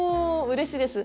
うれしいです。